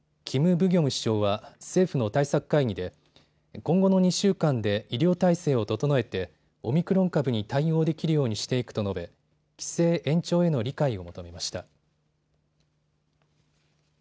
ブギョム首相は政府の対策会議で今後の２週間で医療体制を整えてオミクロン株に対応できるようにしていくと述べ規制延長への理解を求めました。